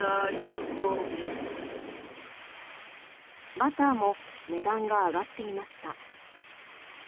バターも値段が上がっていました。